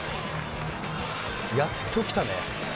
やっときたね。